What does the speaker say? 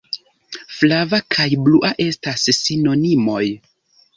Flava kaj blua estas sinonimoj!